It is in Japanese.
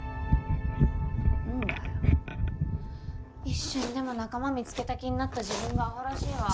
一瞬でも仲間見つけた気になった自分がアホらしいわ。